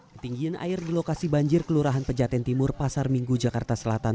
ketinggian air di lokasi banjir kelurahan pejaten timur pasar minggu jakarta selatan